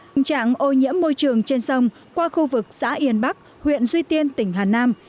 tình trạng ô nhiễm môi trường trên sông qua khu vực xã yên bắc huyện duy tiên tỉnh hà nam